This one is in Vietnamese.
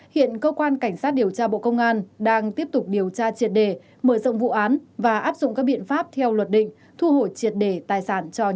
hiện cơ quan cảnh sát điều tra bộ công an đang tiếp tục điều tra triệt đề mở rộng vụ án và áp dụng các biện pháp theo luật định thu hồi triệt đề tài sản cho người dân